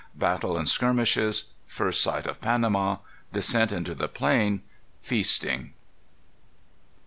Battle and Skirmishes. First Sight of Panama. Descent into the Plain. Feasting.